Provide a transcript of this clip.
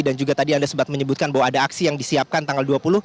dan juga tadi anda sempat menyebutkan bahwa ada aksi yang disiapkan tanggal dua puluh